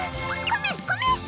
コメコメ！